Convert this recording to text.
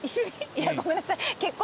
いやごめんなさい。